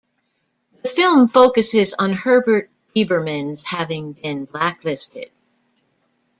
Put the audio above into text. The film focuses on Herbert Biberman's having been blacklisted.